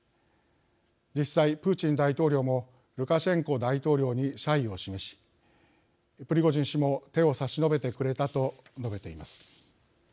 実際、プーチン大統領もルカシェンコ大統領に謝意を示しプリゴジン氏も「手を差し伸べてくれた」と述べています。